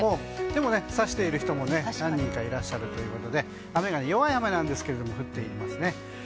でも、さしている人も何人かいらっしゃるということで弱い雨なんですが降っていますね。